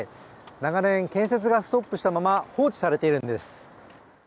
長年、建設がストップしたまま放置されているんです。